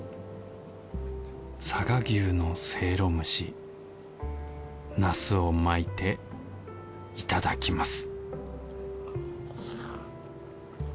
佐賀牛のせいろ蒸しなすを巻いていただきます